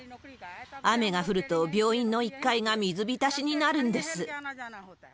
雨が降ると病院の１回が水浸しになるんです。